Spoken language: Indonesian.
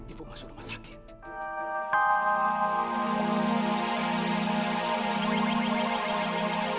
ibu masuk rumah sakit